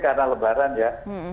karena lebaran ya